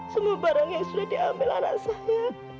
semua barang yang sudah diambil anak saya